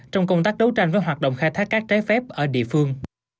trong công tác đấu tranh với hoạt động khai thác cát trái phép ở địa phương